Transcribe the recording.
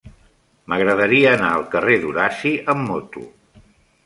M'agradaria anar al carrer d'Horaci amb moto.